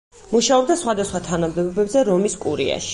მუშაობდა სხვადასხვა თანამდებობებზე რომის კურიაში.